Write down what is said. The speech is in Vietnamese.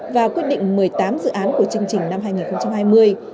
và quyết định một mươi tám dự án của chương trình năm hai nghìn hai mươi